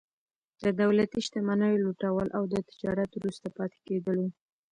د دولتي شتمنیو لوټول او د تجارت وروسته پاتې کېدل وو.